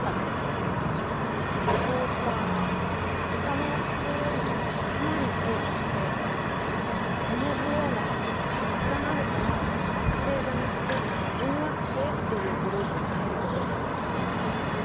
そうかあほかの惑星よりもかなり小さくてしかも同じような星がたくさんあるから惑星じゃなくて準惑星っていうグループに入ることになったのね。